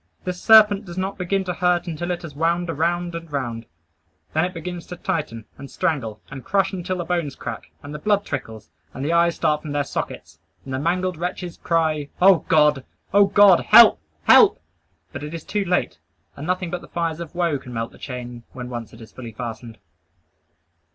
This serpent does not begin to hurt until it has wound around and round. Then it begins to tighten, and strangle, and crush until the bones crack, and the blood trickles, and the eyes start from their sockets, and the mangled wretch cries "O God! O God! Help! Help!" But it is too late; and nothing but the fires of woe can melt the chain when once it is fully fastened.